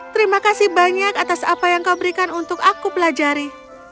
terima kasih banyak atas apa yang kau berikan untuk aku pelajari